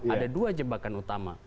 ada dua jebakan utama